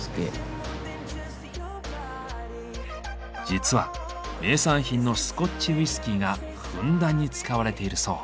実は名産品のスコッチウイスキーがふんだんに使われているそう。